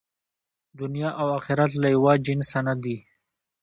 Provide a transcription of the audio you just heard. دنیا او آخرت له یوه جنسه نه دي.